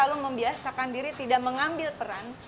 lalu membiasakan diri tidak mengambil peran